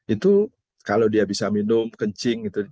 itu kalau dia bisa minum kencing gitu